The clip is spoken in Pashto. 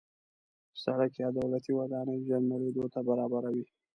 سړک یا دولتي ودانۍ ژر نړېدو ته برابره وي.